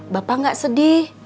bapak gak sedih